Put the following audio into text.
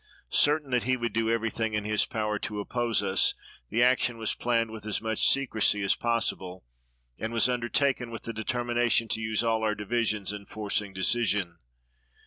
Certain that he would do everything in his power to oppose us, the action was planned with as much secrecy as possible, and was undertaken with the determination to use all our divisions in forcing decision.